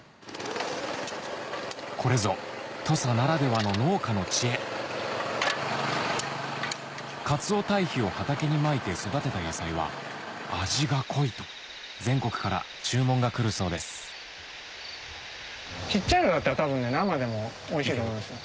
これぞ土佐ならではの農家の知恵カツオ堆肥を畑にまいて育てた野菜は「味が濃い」と全国から注文が来るそうですちっちゃいのだったら生でもおいしいと思いますよ。